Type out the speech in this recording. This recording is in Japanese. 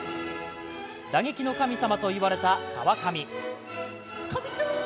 打撃の神様といわれた川上。